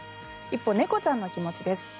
一方猫ちゃんの気持ちです。